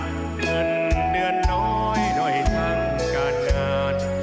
เงินเดือนน้อยหน่อยท่านกาดงาน